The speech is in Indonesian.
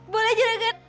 boleh juga gat